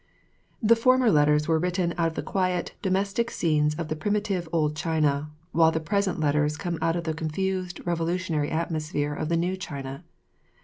The former letters were written out of the quiet, domestic scenes of the primitive, old China, while the present letters come out of the confused revolutionary atmosphere of the new China.